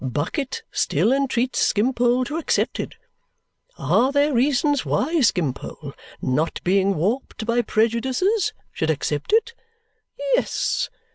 Bucket still entreats Skimpole to accept it. Are there reasons why Skimpole, not being warped by prejudices, should accept it? Yes.